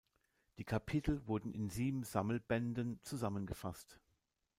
Die Kapitel wurden in sieben Sammelbänden zusammengefasst.